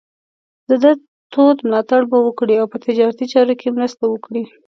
د ده تود ملاتړ به وکړي او په تجارتي چارو کې مرسته وکړي.